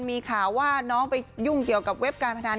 มีข่าวว่าน้องไปยุ่งเกี่ยวกับเว็บการพนัน